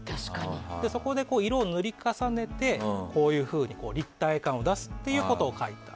そこで色を塗り重ねてこういうふうに立体感を出すということをやった。